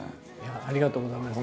ありがとうございます。